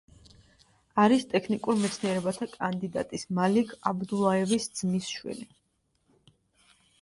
არის ტექნიკურ მეცნიერებათა კანდიდატის, მალიქ აბდულაევის ძმისშვილი.